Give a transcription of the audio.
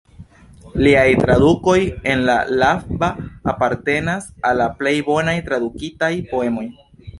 Liaj tradukoj el la latva apartenas al la plej bonaj tradukitaj poemoj.